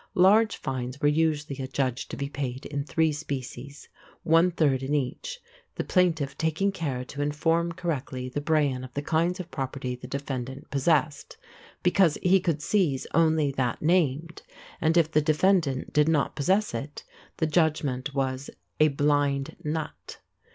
Large fines were usually adjudged to be paid in three species, one third in each, the plaintiff taking care to inform correctly the brehon of the kinds of property the defendant possessed, because he could seize only that named, and if the defendant did not possess it, the judgment was "a blind nut."